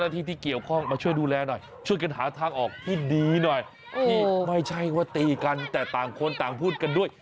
ที่ไม่ใช่ว่าตีกันแต่ต่างคนต่างพูดกันด้วย